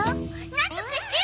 なんとかしてよ